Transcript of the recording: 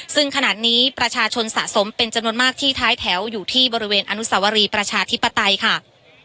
ซึ่งขณะนี้ประชาชนสะสมเป็นจำนวนมากที่ท้ายแถวอยู่ที่บริเวณอนุสวรีประชาธิปไตยค่ะ